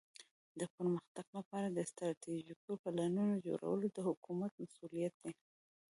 د پرمختګ لپاره د استراتیژیکو پلانونو جوړول د حکومت مسؤولیت دی.